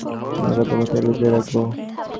কুমুদ বলিল, আর টাকা কোথায় যে লুকিয়ে রাখব?